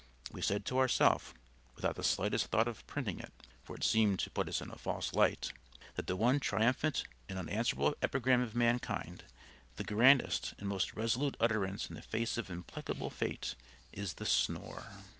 We said to ourself, without the slightest thought of printing it (for it seemed to put us in a false light), that the one triumphant and unanswerable epigram of mankind, the grandest and most resolute utterance in the face of implacable fate, is the snore.